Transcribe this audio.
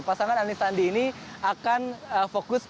pasangan anies sandi ini akan fokus